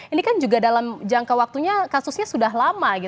ini kan juga dalam jangka waktunya kasusnya sudah lama